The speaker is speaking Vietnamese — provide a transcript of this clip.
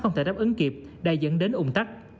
không thể đáp ứng kịp đã dẫn đến ủng tắc